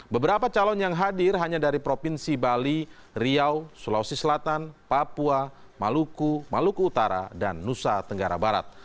beberapa calon yang hadir hanya dari provinsi bali riau sulawesi selatan papua maluku maluku utara dan nusa tenggara barat